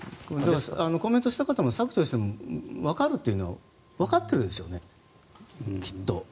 コメントした方も削除してもわかるっていうのはわかっているでしょうねきっと。